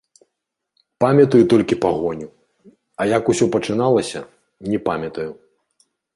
Памятаю толькі пагоню, а як усё пачыналася, не памятаю.